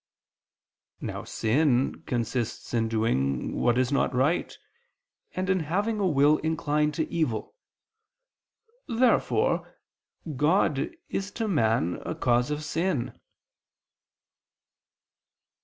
Now sin consists in doing what is not right, and in having a will inclined to evil. Therefore God is to man a cause of sin.